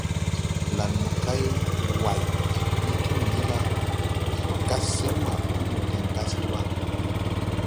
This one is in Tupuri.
Lan mokay Way wii Timini ga: Ndo gas sir ma ɓon mo deŋ gasge ɓa?